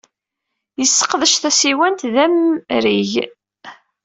Yesseqdec tasiwant d amrig.